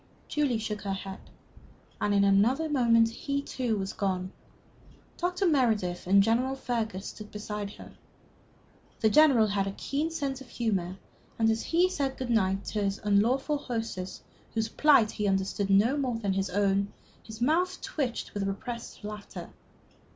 Julie shook her head, and in another moment he, too, was gone. Dr. Meredith and General Fergus stood beside her. The General had a keen sense of humor, and as he said good night to this unlawful hostess, whose plight he understood no more than his own, his mouth twitched with repressed laughter.